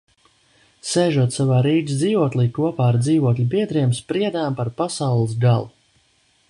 Sēžot savā Rīgas dzīvoklī, kopā ar dzīvokļa biedriem spriedām par pasaules galu.